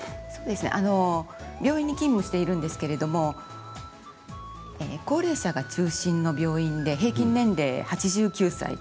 そうですね、病院に勤務しているんですけれども高齢者が中心の病院で平均年齢８９歳。